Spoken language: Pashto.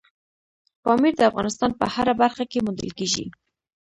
پامیر د افغانستان په هره برخه کې موندل کېږي.